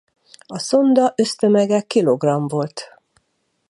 A szonda össztömege kilogramm volt.